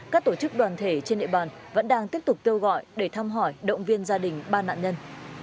các tổ chức đoàn thể trên địa bàn vẫn đang tiếp tục kêu gọi để thăm hỏi động viên gia đình ba nạn nhân